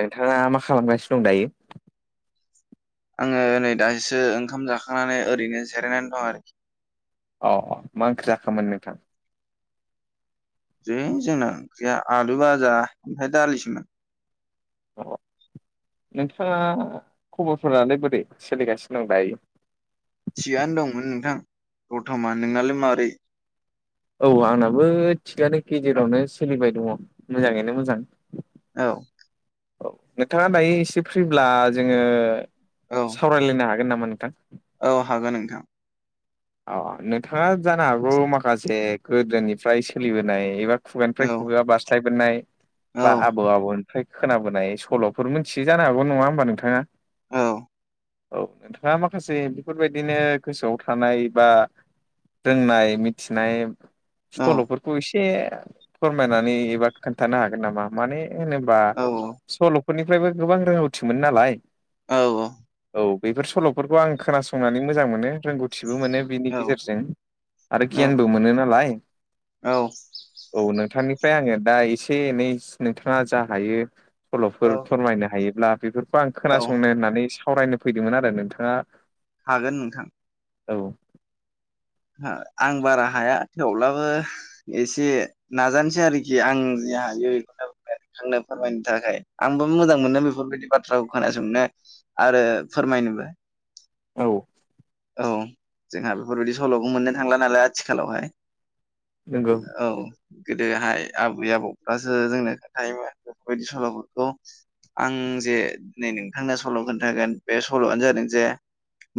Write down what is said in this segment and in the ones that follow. नोंथाङा मा खालामगासिनो दं दायो? आङो नै दासो ओंखाम जाखांनानै ओरैनो जिरायनानै दं आरोखि। अ अ मा ओंख्रि जाखोमोन नोंथां? जै जोंना ओंख्रिया आलु बाजा ओमफ्राय दालिसोमोन। औ नोंथाङा खबरफोरालाय बोरै सोलिगासिनो दं दायो? थिगानो दंमोन नोंथां ब‌र‌‌थमान नोंनालाय मारै? औ आंनाबो थिगानो गेजेरावनो सोलिबाय दङ मोजाङैनो मोजां। औ। औ नोंथाङा दायो एसे फ्रिब्ला जोङो औ औ। सावरायलायनो हागोन नामा नोंथां? औ हागोन नोंथां। अ नोंथाङा जानो हागौ माखासे गोदोनिफ्राय सोलिबोनाय एबा औ खुगानिफ्राय खुगा बारस्लायबोनाय औ बा आबौ आबौ फ्राय खोनाबोनाय सल'फोर मिथियो जानो हागौ नङा होमबा नोंथाङा? औ औ नोंथाङा माखासे बेफोरबायदिनो गोसोआव थानाय बा रोंनाय मिथिनाय औ सल'फोरखौ एसे से फोरमायनानै एबा खोन्थानो हागोन नामा माने होनोबा औ सल'फोरनिफ्रायबो गोबां रोंगौथि मोनो नालाय। औ औ। औ बेफोर सल'फोरखौ आं खोनासंनानै मोजां मोनो रोंगौ गौथिबो मोनो बिनि गेजेरजों आरो गियानबो मोनो नालाय। औ औ नोंथांनिफ्राय आङो दा एसे एनै नोंथाङा जा हायो औ सल'फोर फोरमायनो हायोब्ला बेफोरखौ आं औ खोनासंनो होननानै सावरायनो फैदोंमोन आरो नोंथाङा हागोन नोंथां। औ। आं बारा हाया थेवब्लाबो एसे नाजानोसै आरोखि आं जे हायो। थांनो फोरमायनो थाखाय आंबो मोजां मोनो बेफोरबायदि बाथ्राखौ खोनासंनो। आरो फोरमायनोबो। औ‌। औ जोंहा बेफोरबायदि सल'खौ मोननो थांला नालाय आथिखालावहाय नंगौ औ। गोदोहाय आबै आबौफ्रासो जोंनो खोन्थायोमोन बेफोरबायदि सल'फोरखौ आं जे नै नोंथांनो सल' खोन्थागोन बे सल'आनो जादों जे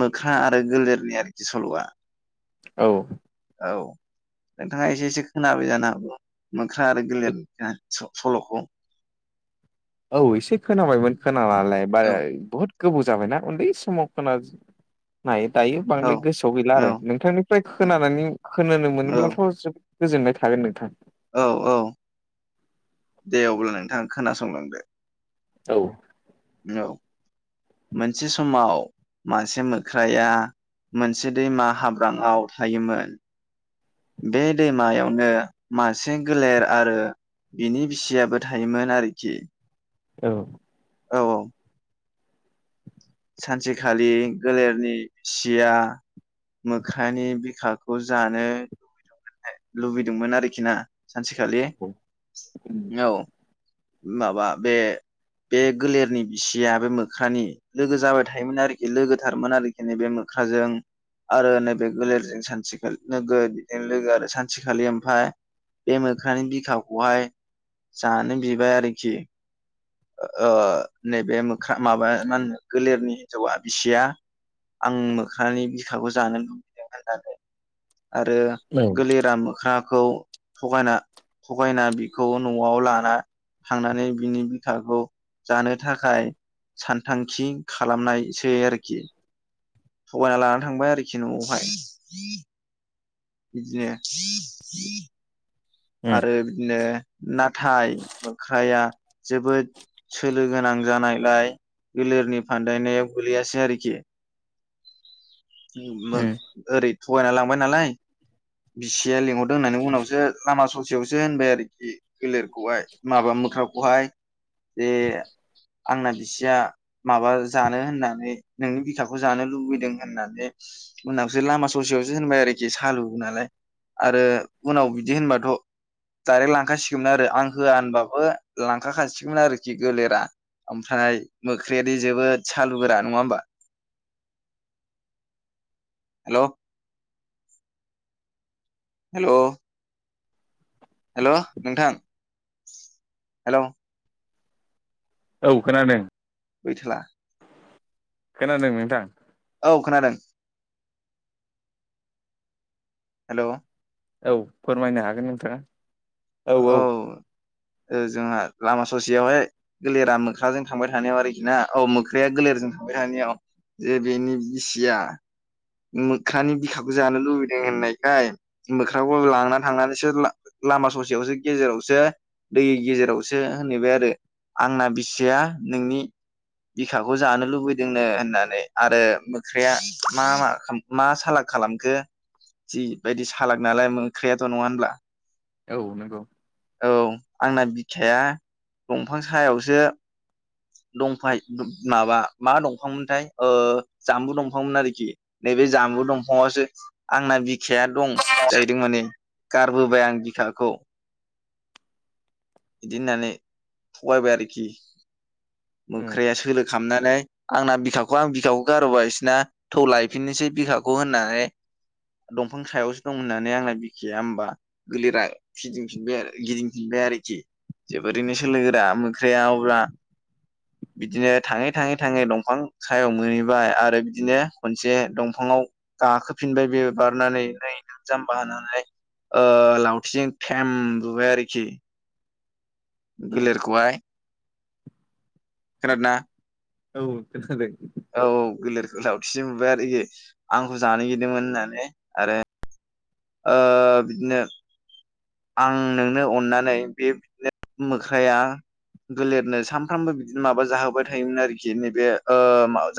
मोख [unintelligible] आरो गोलेरनि आरोखि सल'आ। औ औ नोंथाङा एसे एसे खोनाबाय जानो हागौ मोख्रा आरो बे गोलेर सल'खौ औ एसे खोनाबायमोन खोनालाय बार औ बहुद। गोबौ जाबायना उन्दै समाव खोनानायनाय दायो औ बांद्राय गोसोआव गैला औ आरो नोंथांनि ओफ्राय खोनानानै खोनो मोनोब्लाथ' जोबोद गोजोननाय थागोन नोंथां। औ औ दे अब्ला नोंथाङा खोनासंलांदो औ। औ मोनसे समाव मासे मोख्राया मोनसे दैमा हाब्रांआव थायोमोन बे दैमायावनो मासे गोलेर आरो। बिनि बिसियाबो थायोमोन आरोखि औ। औ-औ। सानसेखालि गोलेरनि सिया मोख्रानि बिखाखौ बे खौ जानो लुबै लुबैदोंमोन आरोखि ना। सानसेखालि उम औ माबा बे बे गलेरनि बिसिया बे मोख्रानि लोगो जाबाय थायोमोन आरोखि लोगो थारमोन आरोखि नैबे मोख्राजों आरो नैबे गलिरजों सानसेखालि लोगो बिदि लोगो आरो सानसेखालि ओमफाय बे मोख्रानि बिखाखौहाय जानो बिबाय आरोखि ओ नैबे मोख माबाया मा होनो गलेरनि हिन्जावा बिसिया आं मोख्रानि बिखाखौ जानो लुबफैदों [unintelligible] आरो गोलेर दाम मोख्राखौ थगायना थगायना बिखौ न'आव लाना थांनानै बिनि फखाखौ जानो थाखाय सानथांखि खालामनायसै आरोखि थगायना लानानै थांबाय आरोखि न'आवहाय बिदि आरो बिदिनो नाथाय मोख्राया जोबोद सोलो गोनां जानायलाय बिलोरनि फानदायनायाव गोलैयासै आरोखि [unintelligible] उम ओरै थगायना लांबाय नालाय बिसिया लिंहरदों होननानै उनावसो लामा ससेयावसो होनबाय आरोखि गोलेरखौहाय माबा मोख्राखौहाय। जे आंना बिसिया माबा जानो होननानै नोंनि बिथाखौ जानो लुबैदों होननानै उनावसो लामा ससेयावसो होनबाय आरोखि सालु नालाय आरो उनाव बिदि जेहनबाथ' डाइरेक्ट लांखाासिगौमोन आरो आं होआ होनबाबो लांखाखासिगौमोन आरोखि गोलेरा। ओमफ्राय मोख्रायादि जोबोद सालु गोरा नङा होमबा [unintelligible] हेल' हेल' हेल' नोंथां हेल' औ खोनादों। [unintelligible] खोनादों नोंथां औ खोनादों। हेलौ औ फोरमायनो हागोन नोंथाङा औ जोंहा लामा ससेयावहाय गोलिरा मोख्राजों थांबाय थानायाव आरोखि ना औ मोख्राया गलेरजों थांबाय थानायाव जे बेनि बिसिया मोख्रानि बिखाखौ जानो लुबैदों होननायखाय बोख्राखौ लांना थांनानैसो लामा स सेयावसो गेजेरावसो दै गेजेरावसो होनहैबाय आरो आंना बिसिया नोंनि बिखाखौ जानो लुबैदोंनो होननानै आरो मोख्राया मा मा मा सालाग खालामखो जिबायदि सालाग नालाय मोख्रयाथ' नङा होनब्ला औ नंगौ औ आंना बिखाया दंफां सायावसो दंफाय माबा मा दंफांमोनथाय ओ जामबु दंफांमोन आरोखि नैबे जामबु दंफाङावसो आंना बि खाया दं जाहैदों माने गारबोबाय आं बिखाखौ बिदि होननानै थगायबाय आरोखि उम मोख्राया सोलो खालामनानै आंना बिखाखौ आं बिखाखौ गारहरबायसोना थौ लायफिननोसै बिखाखौ होननानै दंफां सायावसो दं होननानै आंना बिखाया होमबा गोरलैा फिदिं फिनबाय आरो गिदिंफिनबाय आरोखि जोबोरैनो सोलो गोरा मोख्रा अब्ला [inaudible] बिदिनो थाङै थाङै थाङै दंफां सायाव मोनहैबाय आरो बिदिनो खनसे दंफाङाव गाखोफिनबाय बि बारनानै ओमफ्राय जाम्बा हानानै ओ लावथिजों [unintelligible] बुबाय आरोखि उम गोलेरखौहाय खोनादोंना औ खोनादों औ गोलिरखौ लावथिजों बुबाय आरो आंखौ जानोगिरदोंमोन होननानै आरो ओ बिदिनो आं नोंनो अननानै बेनो मोख्राया दोलेरनो सानफ्रामबो बिदिनो माबा जाहोबाय थायोमोन आरोखि नैबे ओ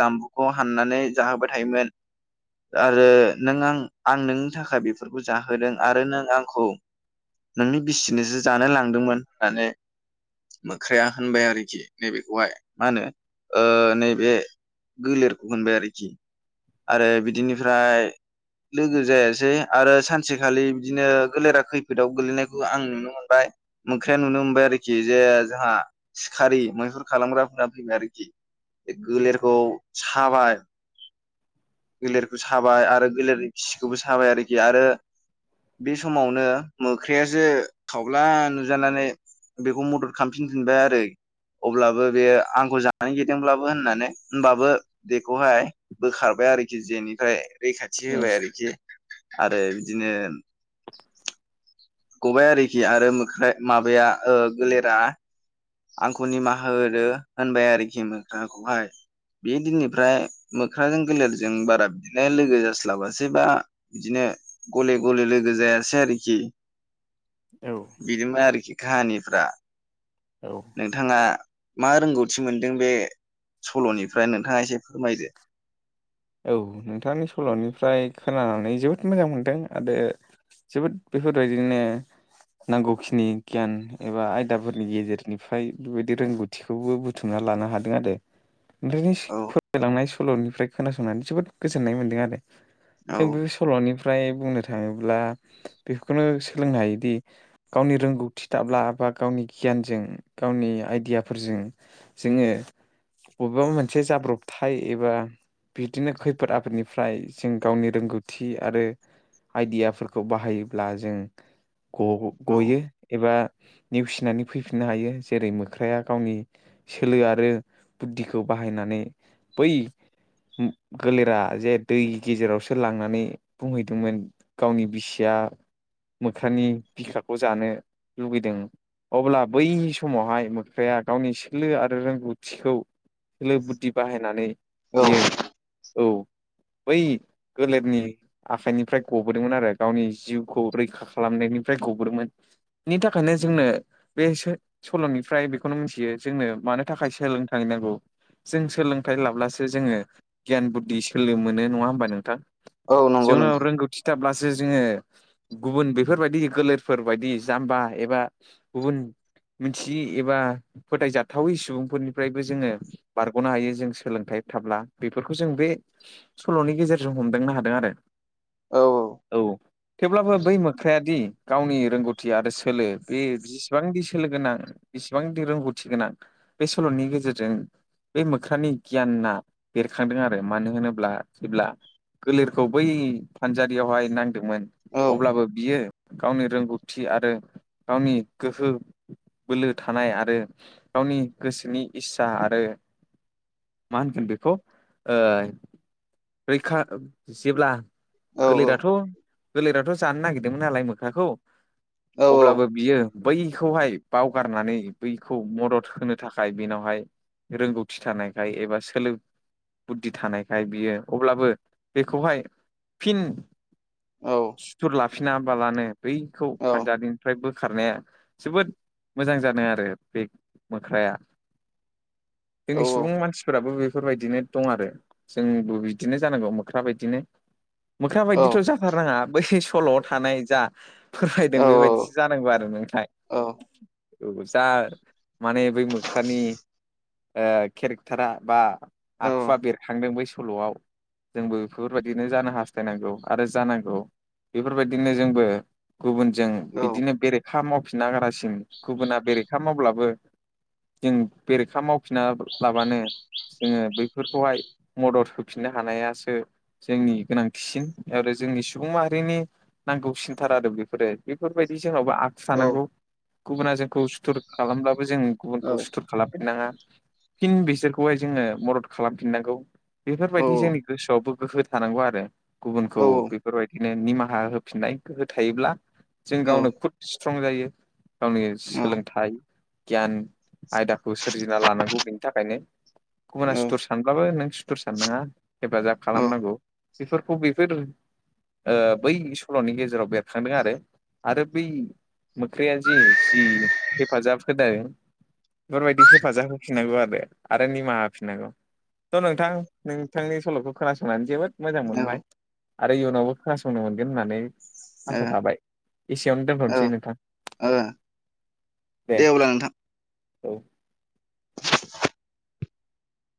जामबु खौ हाननानै जाहोबाय थायोमोन आरो नों आं आं नोंनि थाखाय बे बे फोरखौ जाहोदों आरो नों आंखौ। नोंनि बिसिनोसो जानो लांदोंमोन होननानै मोख्राया होनबाय आरोखि नैबेखौहाय मा होनो नैबे गोलेरखौ होनबाय आरोखि आरो बिदिनिफ्राय लोगो जायासै आरो सानसेखालि बिदिनो गोलेरा खैफोदाव गोलैनायखौ आं नुनो मोनबाय मोख्राया नुनो मोनबाय आरोखि जे जोंहा सिखारि मैहुर खालामग्राफोरा फैबाय आरोखि बे गोलेरखौ साबाय गोलेरखौ साबाय आरो गोलेरनि खिखौबो साबाय आरोखि आरो बे समावनो मोख्रासो खावब्ला नुजानानै बेखौ मदद खालामफिनबाय आरो अब्लाबो बेयो आंखौ जानोगिदोंब्लाबो होननानै होनबाबो बेखौहाय बोखारबाय आरोखि जेनिफ्राय रैखाथि उम होबाय आरोखि आरो बिदिनो गबायाइ आरोखि आरो मोख्राया माबाया गोलेरा आंखौ निमाहा होदो होनबाय आरोखि मोखाखौहाय बे दिननिफ्राय मोख्राजों गोलेरजों बारा बिदिनो लोगो जास्लाबासै बा बिदिनो गले गले लोगो जायासै आरोखि औ। बिदिमोन आरोखि काहानिफ्रा औ नोंथाङा मा रोंगौथि मोनदों बे सल'निफ्राय नोंथाङा एसे फोरमायदो। औ नोंथांनि सल'निफ्राय खोनानानै जोबोद मोजां मोनदों आरो जोबोद बेफोरबायदिनो नांगौखिनि गियान एबा आयदाफोरनि गेजेरनिफ्राय बे बायदि रोंगौथि थिखौबो बुथुमना लानो हादों आरो। बिनिस औ फोरायलांनाय सल'निफ्राय खोनासंनानै जोबोद गोजोननाय मोन्दों आरो। औ जों बे सल'नि फ्राय बुंनो थाङोब्ला बेखौनो सोलोंनो हायोदि गावनि रोंगौथि दाब्ला बा गावनि गियानजों गावनि आइडियाफोरजों। जोङो बबेबा मोनसे जाब्रबथाय एबा बिदिनो खैफोद आफोदनिफ्राय जों गावनि रोंगौथि आरो आइदियाफोरखौ बाहायोब्ला जों औ ग-गयो। एबा नेवसिनानै फैफिननो हायो। जेरै मोख्राया गावनि सोलो आरो बुद्धिखौ बाहायनानै बै गोलेरा जे दै गेजेरावसो लांनानै बुंहैदोंमोन। गावनि बिसिया मोख्रानि बिखाखौ जानो लुबैदों। अब्ला बै समावहाय मोख्राया गावनि सोलो आरो रोंगौथिखौ सोलो बुद्धि बाहायनानै औ बियो औ बै गोलेरनि आखाइनिफ्राय गबोदोंमोन आरो गावनि जिउखौ रैखा खालामनायनिफ्राय गबोदोंमोन। बिनि थाखायनो जोंनो। बे सल'निफ्राय बेखौनो मोनथियो जोंनो मानो थाखाय सोलोंथांनांगौ। जों सोलोंथाइ लाब्लासो जोङो गियान बुद्धि सोलो मोनो नङा होनबा नोंथां औ नंगौ जोंनाव नोंथां रोंगौथि। थाबब्लासो जोङो। गुबुन बेफोरबायदि गोलोरफोर बायदि जाम्बा एबा गुबुन मिथियि एबा फोथायजाथावै सुबुंफोरनिफ्रायबो जोङो बारग'नो हायो जों सोलोंथाइ थाब्ला बेफोरखौ जों बे सल'नि गेजेरजों हमदांनो हादों आरो। औ औ थेवब्लाबो बै मोख्रायादि गावनि रोंगौथि आरो सोलो बे जसेबांदि सोलो गोनां बेसिबांदि रोंगौथि गोनां। बे सल'नि गेजेरजों बे मोख्रानि गियाना। बेरखांदों आरो मानो होनोब्ला जेब्ला गोलेरखौ बै फानजारियावहाय नां मोन औ अब्लाबो बियो गावनि रोंगौथि आरो गावनि गोहो बोलो थानाय आरो गावनि गोसोनि इस्सा आरो मा होनगोन बे बेखौ रैखा जेब्ला औ गोरलैथ' जोलैथ' जानो नागिरदोंमोन नालाय मोख्राखौ। औ अब्लाबो बियो बैखौहाय बावगारनानै बैखौ मदद होनो थाखाय बेनावहाय रोंगौथि थानायखाय एबा सोलों बुद्धि थानायखाय बियो अब्लाबो बेखौहाय फिन औ सुथुर लाफिनाबालानो बैखौ औ फानजारिनिफ्राय बोखारनाया जोबोद मोजां जादों आरो बे मोख्राया। जोंनि सुबुं मानसिफोराबो बे बेफोरबायदिनो दं आरो जोंबो बिदिनो जानांगौ मोख्रा बायदिनो मोख्रा औ बायदिथ' जाथारनाङा बै सल' थानाय जा फोरमायदों औ बे बायदिसो जानांगौ आरो नोंथां। औ जा माने बै मोख्रानि केरेक्टारा बा आखुवा बेरखांदों बै सल'आव जोंबो बेफोरबायदिनो जानो हास्थायनांगौ आरो जानांगौ बेफोरबायदिनो जोंबो गुबुनजों औ बिदिनो बेरेखा मावफिन नागारासिन गुबुना बेरेखा मावब्लाबो जों बेरेखा मावफिना लाबानो जोङो बैफोरखौहाय मदद होफिननो हानायासो जोंनि गोनांथिसिन आरो जोंनि सुबुं माहारिनि नांगौसिनथार आरो बेफोरो बेफोरबायदि जोंनावबो आखु थानांगौ गुबुना जोंखौ सुथुर खालामब्लाबो जों गुबुनखौ सुथुर खालामफिनाङा फिन बिसोरखौहाय जोङो मदद खालामफिननांगौ बेफोरबायदि जोंनि गोसोआवबो गोहो थानांगौ आरो गुबुनखौ बेफोरबायदिनो निमाहा होफिननाय गोहो थायोब्ला जों गावनो खुट स्ट्रं जायो गावनो सोलोंथाइ गियान आयदाखौ सोरजिना लानांगौ बेनि थाखायनो गुबुना सुथुर सानब्लाबो नों सुथुर साननाङा हेफाजाब खालामनांगौ बेफोरखौ बेफोर ओ बै सल'नि गेजेराव बेरखांदों आरो आरो बै मोख्रैया जि जि हेफाजाब होदों बेफोरबायदि हेफाजाब होफिननांगौ आरो आरो निमाहा होफिननांगौ थ' नोंथां नोंथांनि सल'खौ खोनासंनानै जोबोद मोजां मोनबाय आरो इयुनावबो खोनासंनो मोनगोन होननानै आसा थाबाय एसेयावनो औ औ दोनथ'नोसै नोंथां औ दे अब्ला नोंथां औ